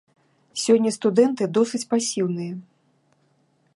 Сёння студэнты досыць пасіўныя.